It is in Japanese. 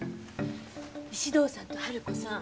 石堂さんと春子さん